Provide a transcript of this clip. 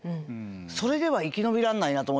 それでは生き延びらんないなと思いましたね